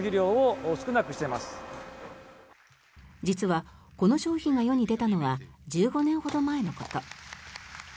実はこの商品が世に出たのは１５年ほど前のこと。